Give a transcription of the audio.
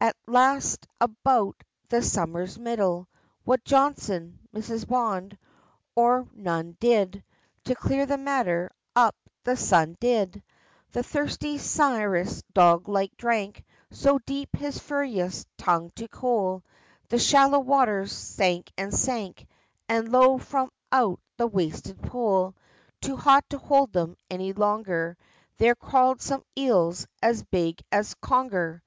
At last about the summer's middle, What Johnson, Mrs. Bond, or none did, To clear the matter up the Sun did! The thirsty Sirius dog like drank So deep, his furious tongue to cool, The shallow waters sank and sank, And lo, from out the wasted pool, Too hot to hold them any longer, There crawled some eels as big as conger!